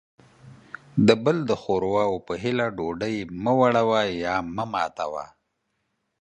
د بل د ښور وا په هيله ډوډۍ مه وړوه.